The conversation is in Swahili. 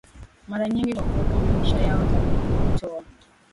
mara nyingi kwa kuweka maisha yao hatarini na kujitoa